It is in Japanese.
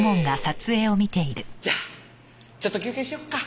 じゃあちょっと休憩しよっか。